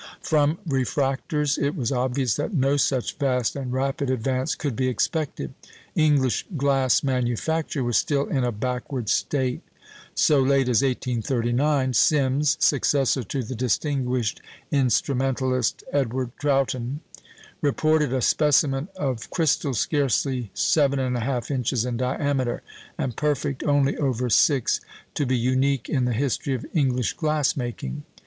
From refractors it was obvious that no such vast and rapid advance could be expected. English glass manufacture was still in a backward state. So late as 1839, Simms (successor to the distinguished instrumentalist Edward Troughton) reported a specimen of crystal scarcely 7 1/2 inches in diameter, and perfect only over six, to be unique in the history of English glass making.